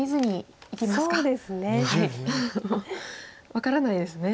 分からないですね。